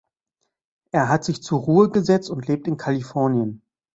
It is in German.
Er hat sich zur Ruhe gesetzt und lebt in Kalifornien.